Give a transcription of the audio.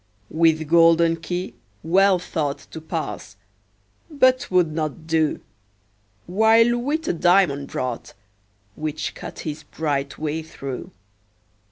With golden key Wealth thought To pass but 'twould not do: While Wit a diamond brought, Which cut his bright way through.